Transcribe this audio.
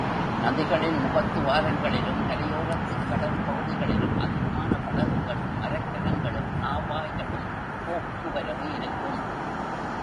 நதிகளின் முகத்துவாரங்களிலும் கரையோரத்துக் கடற்பகுதிகளிலும் அதிகமான படகுகளும் மரக்கலங்களும், நாவாய்களும் போக்குவரவு இருக்கும்.